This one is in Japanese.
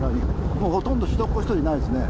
もうほとんど、人っ子一人いないですね。